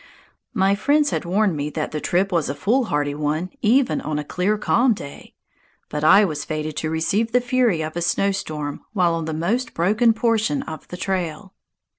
My friends had warned me that the trip was a foolhardy one even on a clear, calm day, but I was fated to receive the fury of a snowstorm while on the most broken portion of the trail.